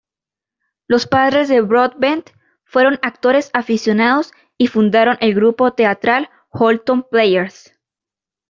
Los padres de Broadbent fueron actores aficionados y fundaron el grupo teatral Holton Players.